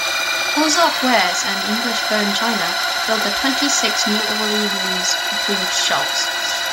Ozark wares and English bone china filled the twenty six New Orleans themed shops.